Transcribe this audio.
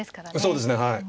そうですねはい。